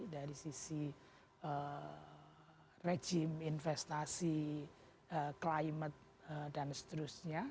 dari sisi rejim investasi climate dan seterusnya